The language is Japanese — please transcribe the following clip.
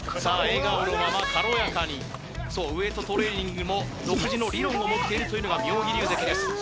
笑顔のまま軽やかにそうウエートトレーニングも独自の理論を持っているというのが妙義龍関です